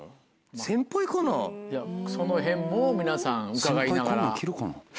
そのへんも皆さん伺いながら。